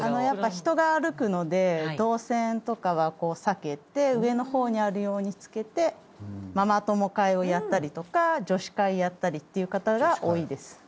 やっぱり人が歩くので動線とかは避けて上の方にあるように付けてママ友会をやったりとか女子会やったりっていう方が多いです。